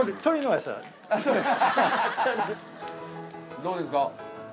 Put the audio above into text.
どうですか？